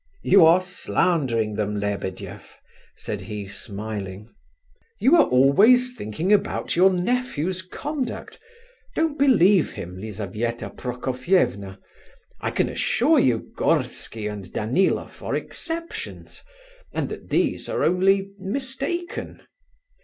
"You are slandering them, Lebedeff," said he, smiling. "You are always thinking about your nephew's conduct. Don't believe him, Lizabetha Prokofievna. I can assure you Gorsky and Daniloff are exceptions—and that these are only... mistaken.